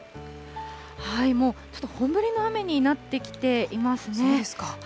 もう、ちょっと本降りの雨になってきていますね。